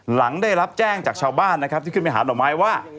หลังได้รับแจ้งจากชาวบ้านนะครับที่ขึ้นไปหาหน่อไม้ว่า